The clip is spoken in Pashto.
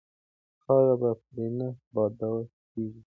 خاورې به پرې نه بادول کیږي.